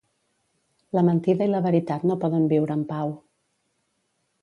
La mentida i la veritat no poden viure en pau.